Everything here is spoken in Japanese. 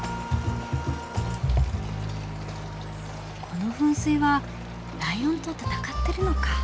この噴水はライオンと戦ってるのか。